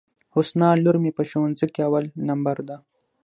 حسنی لور مي په ښوونځي کي اول نمبر ده.